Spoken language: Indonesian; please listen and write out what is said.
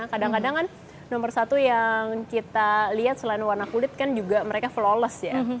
kadang kadang kan nomor satu yang kita lihat selain warna kulit kan juga mereka flores ya